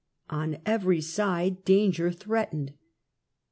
On every side danger threatened.